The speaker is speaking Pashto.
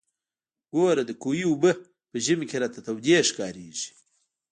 ګوره د کوهي اوبه په ژمي کښې راته تودې ښکارېږي.